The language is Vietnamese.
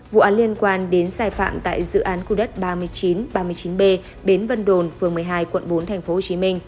vụ án liên quan đến sai phạm tại dự án khu đất ba nghìn chín trăm ba mươi chín b bến vân đồn phường một mươi hai quận bốn tp hcm